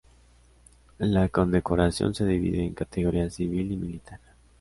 La condecoración de divide en categorías civil y militar.